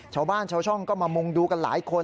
ชาวบ้านชาวช่องก็มามุงดูกันหลายคน